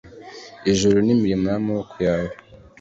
ijuru nimirimo yamaboko yawe